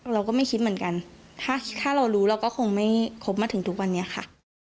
เราก็ไม่คิดเหมือนกันถ้าเรารู้เราก็คงไม่ครบมาถึงทุกวันนี้ค่ะ